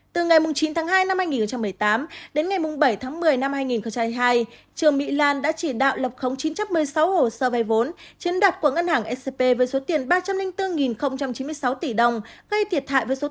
từ ngày chín hai hai nghìn một mươi tám đến ngày bảy một mươi hai nghìn một mươi hai trương mỹ lan đã chỉ đạo lập khống chín trăm một mươi sáu hồ sơ vay vốn trên đặt của ngân hàng scp với số tiền ba trăm linh bốn chín mươi sáu tỷ đồng gây thiệt hại với số tiền một trăm hai mươi chín ba trăm bảy mươi hai tỷ đồng